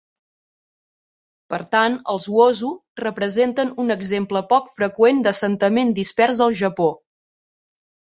Per tant, els Uozu representen un exemple poc freqüent d'assentament dispers al Japó.